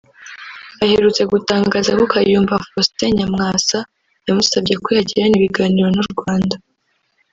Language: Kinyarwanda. aherutse gutangaza ko Kayumba Faustin Nyamwasa yamusabye ko yagirana ibiganiro n’u Rwanda